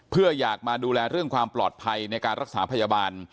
เพื่ออยากมาดูแลเรื่องความปลอดภัยในการรักษาพยาบาล